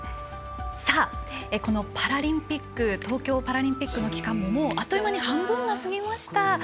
この東京パラリンピックの期間ももうあっという間に半分が過ぎました。